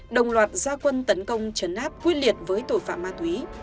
đồng loạt gia quân tấn công chấn áp quyết liệt với tội phạm ma túy